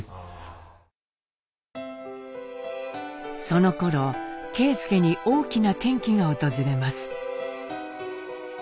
そのころ啓介に大きな転機が訪れます。